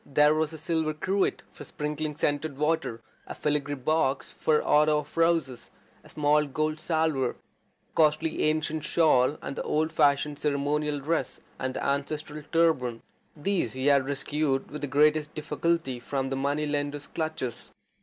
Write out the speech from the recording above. There was a silver cruet for sprinkling scented water, a filigree box for otto of roses, a small gold salver, a costly ancient shawl, and the old fashioned ceremonial dress and ancestral turban. These he had rescued with the greatest difficulty from the money lenders' clutches.